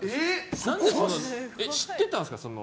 知ってたんですか？